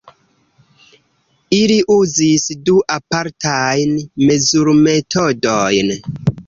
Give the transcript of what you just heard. Ili uzis du apartajn mezurmetodojn.